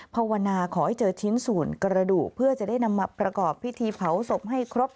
ภาวนาขอให้เจอชิ้นส่วนกระดูกเพื่อจะได้นำมาประกอบพิธีเผาศพให้ครบ